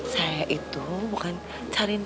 saya itu bukan cariin